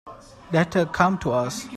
Let her come to us.